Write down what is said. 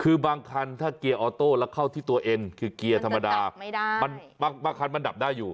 คือบางคันถ้าเกียร์ออโต้แล้วเข้าที่ตัวเองคือเกียร์ธรรมดาไม่ได้บางคันมันดับได้อยู่